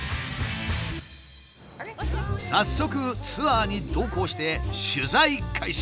早速ツアーに同行して取材開始。